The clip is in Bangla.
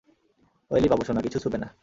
ওয়েলি, বাবুসোনা, কিছু ছুবে না।